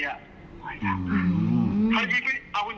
เขาจะต้องรู้ได้